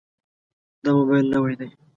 دا موبایل نوی دی.